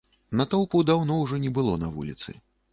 Натоўпу даўно ўжо не было на вуліцы.